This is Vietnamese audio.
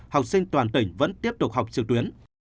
học sinh toàn tỉnh vẫn tiếp tục học trực tuyến